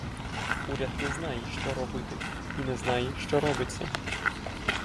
Уряд не знає, що робити, і не знає, що робиться.